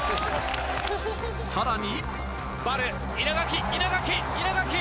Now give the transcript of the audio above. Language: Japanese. さらに。